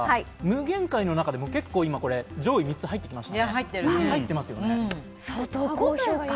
無限界の中でも上位３つに入っています。